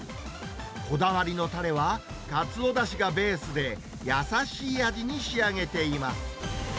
こだわりのたれは、カツオだしがベースで、優しい味に仕上げています。